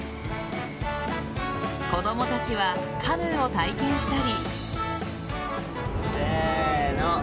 子供たちはカヌーを体験したり。